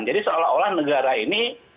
jadi seolah olah negara ini